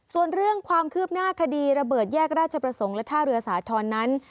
ส่วนเรื่องความคืบหน้าคดีระเบิดแยกราชประสงค์และท่าเรือสาธรณ์นั้น